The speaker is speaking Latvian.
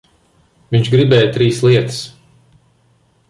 Viņš gribēja trīs lietas.